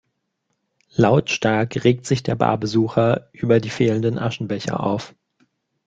Lautstark regt sich der Barbesucher über die fehlenden Aschenbecher auf.